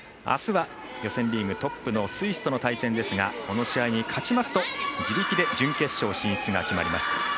あすは予選リーグトップのスイスとの対戦ですがこの試合に勝ちますと自力で準決勝進出が決まります。